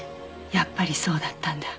やっぱりそうだったんだ。